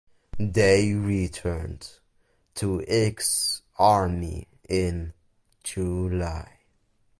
They returned to "X Armee" in July.